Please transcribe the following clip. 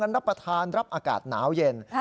รับประทานรับอากาศหนาวเย็น